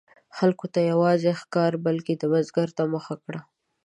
خلکو نه یوازې ښکار، بلکې د بزګرۍ ته مخه کړه.